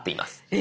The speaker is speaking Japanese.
え！